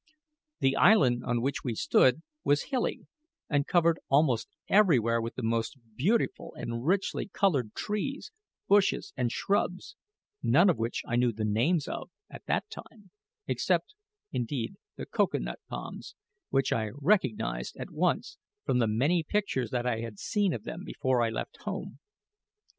The island on which we stood was hilly, and covered almost everywhere with the most beautiful and richly coloured trees, bushes, and shrubs, none of which I knew the names of at that time except, indeed, the cocoa nut palms, which I recognised at once from the many pictures that I had seen of them before I left home.